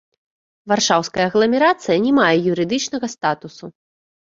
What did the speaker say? Варшаўская агламерацыя не мае юрыдычнага статусу.